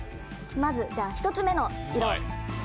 まずじゃあ１つ目の色。